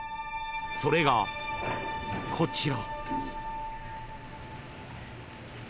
［それがこちら］